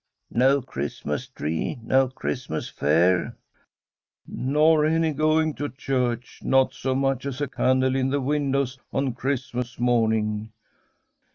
' No Christmas tree, no Christmas fare? '' Nor any going to church ; not so much as a candle in the windows on Christmas morning.'